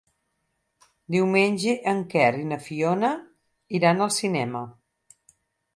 Diumenge en Quer i na Fiona iran al cinema.